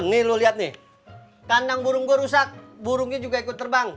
nih lu lihat nih kandang burung gue rusak burungnya juga ikut terbang